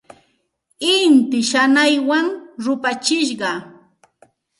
Inti shanaywan rupachishqa.